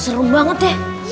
seru banget ya